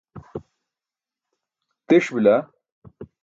tiṣ bila